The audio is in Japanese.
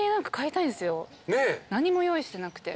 何も用意してなくて。